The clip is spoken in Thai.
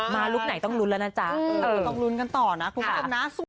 มาลูกไหนต้องรุ้นแล้วนะจ๊ะต้องรุ้นกันต่อนะคุณผู้ชมนะสวัสดีครับ